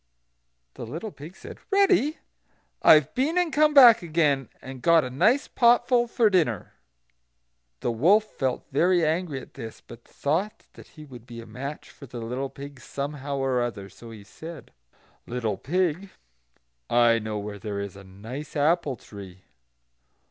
The little pig said: "Ready! I have been and come back again, and got a nice potful for dinner." The wolf felt very angry at this, but thought that he would be a match for the little pig somehow or other, so he said: "Little pig, I know where there is a nice apple tree."